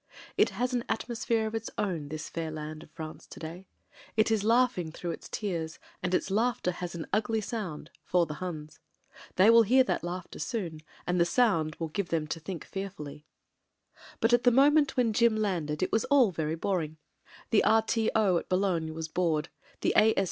It has an atmosphere of its own this fair land of France to day. It is laughing through its tears, and the laughter has an ugly sound — for the 271 272 MEN, WOMEN AND GUNS Huns. They will hear that laughter soon, and the sound will give them to think fearfully. But at the moment when Jim landed it was all very boring. The R.T.O. at Boulogne was bored; the A.